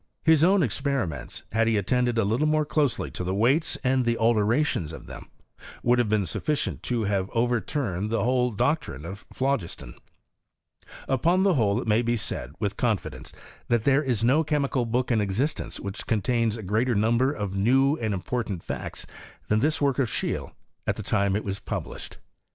His own experi ments, had he attended a little more closely to the weights, and the alterations of them, would have been' I HISTORT OF CHEMISTKT. sufficient to have overturned the whole doctrine of phlogiston. Upon the nhole it may be said, with confidence, that there is no chemical book in exist ence which contains a greater number of new and important facts than this work of Scheele, at the time it was published.